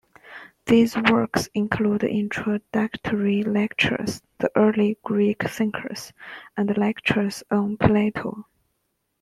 These works include introductory lectures, the early Greek thinkers, and lectures on Plato.